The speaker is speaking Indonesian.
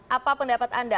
apa pendapat anda